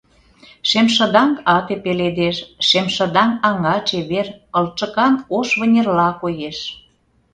Шемшыдаҥ ате пеледеш: шемшыдаҥ аҥа чевер ылчыкан ош вынерла коеш.